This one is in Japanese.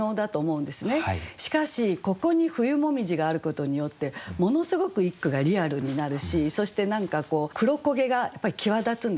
しかしここに「冬紅葉」があることによってものすごく一句がリアルになるしそして何かこう黒焦げがやっぱり際立つんですね。